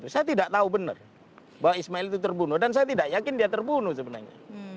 saya tidak tahu benar bahwa ismail itu terbunuh dan saya tidak yakin dia terbunuh sebenarnya